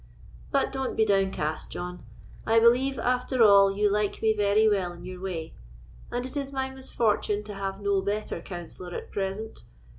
But don't be downcast, John; I believe, after all, you like me very well in your way, and it is my misfortune to have no better counsellor at present.